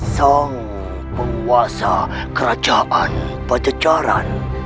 sang penguasa kerajaan pancaceran